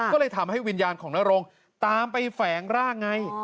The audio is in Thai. ก็เลยทำให้วิญญาณของนรงตามไปแฝงร่างไง